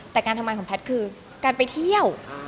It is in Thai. แต่การทำงานของแพทย์คือการไปเที่ยว